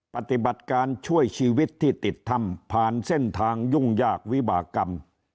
ปฏิบัติการช่วยชีวิตที่ติดถ้ำผ่านเส้นทางยุ่งยากวิบากรรม